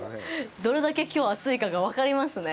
どれだけきょう暑いかが分かりますな。